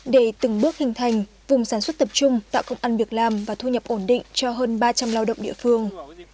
để từng bước hình thành vùng sản xuất tập trung tạo công ăn việc làm và thu nhập ổn định cho hơn ba trăm linh lao động địa phương